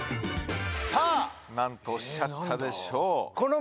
さぁ何とおっしゃったでしょう？